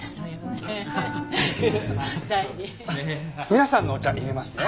皆さんのお茶いれますね。